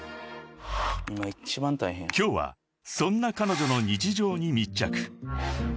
［今日はそんな彼女の日常に密着］